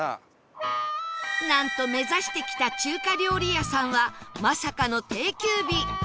なんと目指してきた中華料理屋さんはまさかの定休日